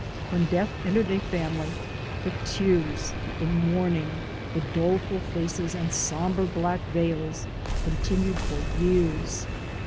When death entered a family, the tears, the mourning, the doleful faces and somber black veils continued for years.